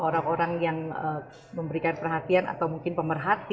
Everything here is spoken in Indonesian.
orang orang yang memberikan perhatian atau mungkin pemerhati